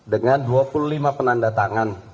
dengan dua puluh lima penanda tangan